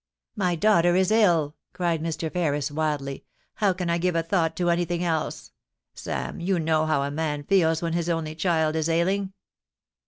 * My daughter is ill !' cried Mr. Ferris, wildly. * How can I give a thought to anything else ? Sam, you know how a man feels when his only child is ailing.'